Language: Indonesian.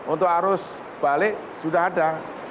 untuk arus balik sudah ada